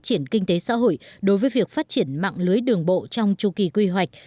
triển kinh tế xã hội đối với việc phát triển mạng lưới đường bộ trong chu kỳ quy hoạch